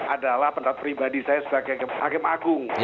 adalah pendapat pribadi saya sebagai hakim agung